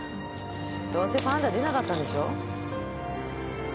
どうせパンダ出なかったんでしょ？